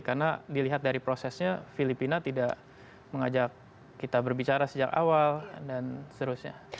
karena dilihat dari prosesnya filipina tidak mengajak kita berbicara sejak awal dan seterusnya